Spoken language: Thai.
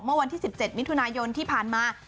เมื่อวันที่๑๗มิถุนายนที่ผ่านมา